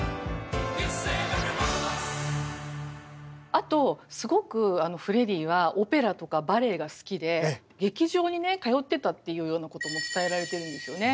あとすごくフレディはオペラとかバレエが好きで劇場にね通ってたっていうようなことも伝えられているんですよね。